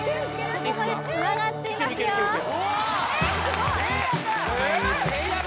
ここまでつながっていますよせいやが！